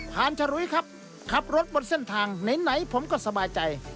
ผ่านฉลุยครับขับรถบนเส้นทางไหนผมก็สบายใจ